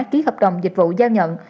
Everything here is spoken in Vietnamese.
ký hợp đồng dịch vụ giao nhận